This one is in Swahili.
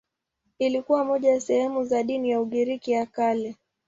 Ilikuwa moja ya sehemu za dini ya Ugiriki ya Kale.